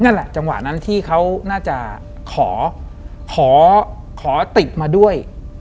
นั่นแหละจังหวะนั้นที่เขาน่าจะขอขอติดมาด้วย